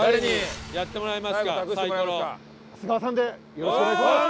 よろしくお願いします！